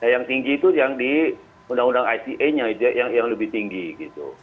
yang tinggi itu yang di undang undang ite nya yang lebih tinggi gitu